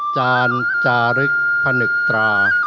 จานจารึกผนึกตรา